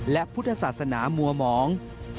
และพุทธศาสนามัวหมอง